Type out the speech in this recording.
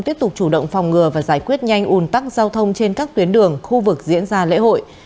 tiếp tục chủ động phòng ngừa và giải quyết nhanh ủn tắc giao thông trên các tuyến đường khu vực diễn ra lễ hội